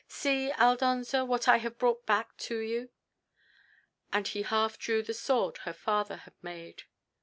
"See, Aldonza, what I have brought back to you." And he half drew the sword her father had made.